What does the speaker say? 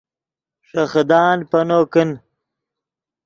ݰے خدان پینو کن